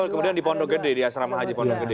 atau kemudian di pondogede di asrama haji pondogede